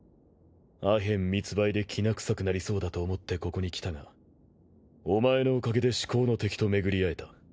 アヘン密売できな臭くなりそうだと思ってここに来たがお前のおかげで至高の敵と巡り合えた。